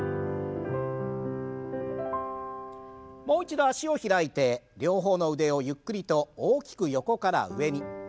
もう一度脚を開いて両方の腕をゆっくりと大きく横から上に。